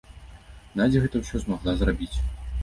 Надзя гэта ўсё змагла зрабіць.